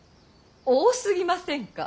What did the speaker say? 多すぎませんか。